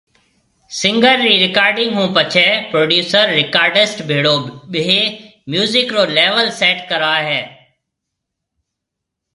سنگر ري رڪارڊنگ ھونپڇي پروڊيوسر رڪارسٽ ڀيڙو ٻيۿي ميوزڪ رو ليول سيٽ ڪراوي ھيَََ